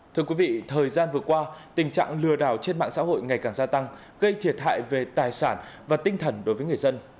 thưa quý vị thời gian vừa qua tình trạng lừa đảo trên mạng xã hội ngày càng gia tăng gây thiệt hại về tài sản và tinh thần đối với người dân